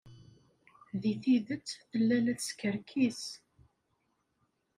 Deg tidet, tella la teskerkis.